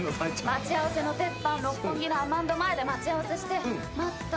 待ち合わせの鉄板六本木のアマンド前で待ち合わせして「待った？」